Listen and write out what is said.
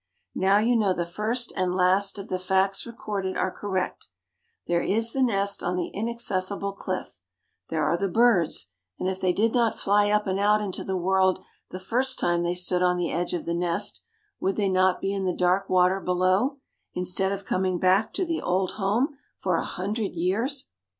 Now you know the first and last of the facts recorded are correct: there is the nest on the inaccessible cliff; there are the birds, and if they did not fly up and out into the world the first time they stood on the edge of the nest, would they not be in the dark water below, instead of coming back to the old home for a hundred years?